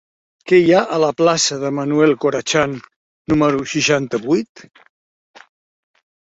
Què hi ha a la plaça de Manuel Corachan número seixanta-vuit?